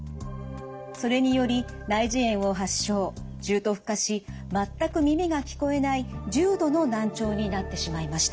それにより内耳炎を発症重篤化し全く耳が聞こえない重度の難聴になってしまいました。